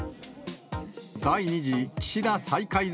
第２次岸田再改造